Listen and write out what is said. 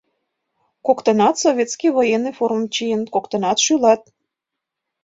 Коктынат советский военный формым чиеныт, коктынат шӱлат.